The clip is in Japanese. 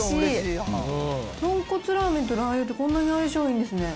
豚骨ラーメンとラー油って、こんなに相性いいんですね。